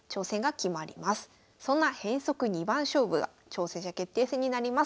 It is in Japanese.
そんな変則二番勝負が挑戦者決定戦になります。